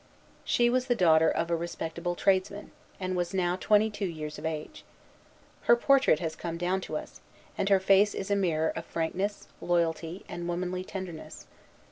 She was the daughter of a respectable tradesman, and was now twenty two years of age. Her portrait has come down to us; and her face is a mirror of frankness, loyalty, and womanly tenderness.